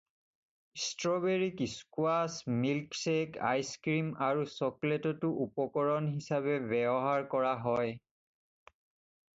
ষ্ট্ৰ'বেৰিক squash, milk shake, ice cream আৰু চকলেটতো উপকৰণ হিচাপে ব্যৱহাৰ কৰা হয়।